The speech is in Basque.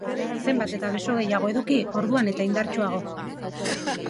Zenbat eta beso gehiago eduki, orduan eta indartsuago.